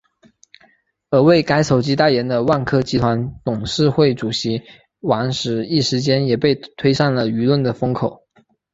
而为该手机代言的万科集团董事会主席王石一时间也被推上了舆论的风口。